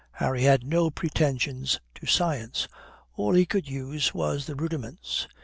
Harry had no pretensions to science. All he could use was the rudiments.